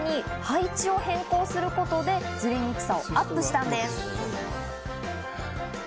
さらに配置を変更することで、ずれにくさをアップしたんです。